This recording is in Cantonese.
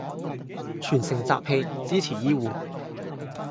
全城集氣支持醫護